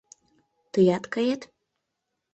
Тыят кает?